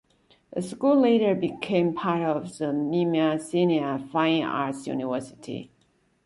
The school later became part of the Mimar Sinan Fine Arts University.